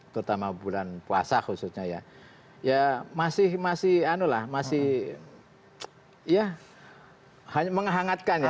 terutama bulan puasa khususnya ya ya masih masih anulah masih ya hanya menghangatkan ya